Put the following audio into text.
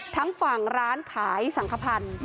ทั้งฝั่งร้านขายสังขพันธ์